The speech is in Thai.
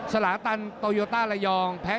ติดตามยังน้อยกว่า